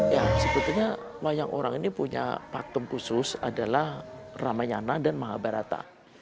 ya sebetulnya wayang orang ini punya pakem khusus adalah ramayana dan mahabharata